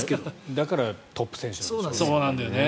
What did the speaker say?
だからトップ選手なんでしょうね。